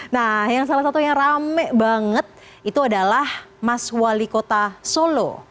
nah yang salah satu yang rame banget itu adalah mas wali kota solo